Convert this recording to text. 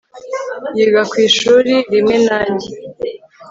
Yiga ku ishuri rimwe nanjye